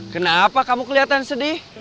kenapa kamu kelihatan sedih